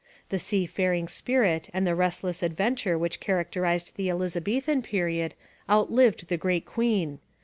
The sea faring spirit and the restless adventure which characterized the Elizabethan period outlived the great queen.